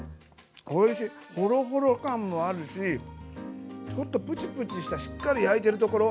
ホロホロ感もあるしちょっとプチプチしたしっかり焼いてるところ。